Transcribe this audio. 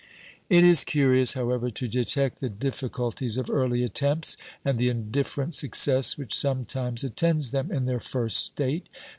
It is curious, however, to detect the difficulties of early attempts, and the indifferent success which sometimes attends them in their first state.